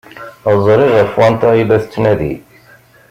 Ẓriɣ ɣef wanta ay la tettnadi.